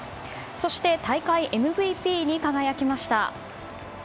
そして大会ＭＶＰに輝きました。